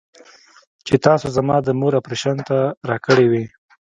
چې تاسو زما د مور اپرېشن ته راکړې وې.